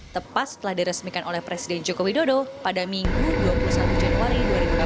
tepat setelah diresmikan oleh presiden joko widodo pada minggu dua puluh satu januari dua ribu dua puluh